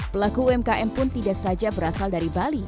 pelaku umkm pun tidak saja berasal dari bali